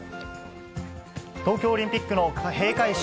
東京オリンピックの閉会式